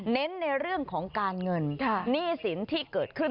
เน้นในเรื่องของการเงินหนี้สินที่เกิดขึ้น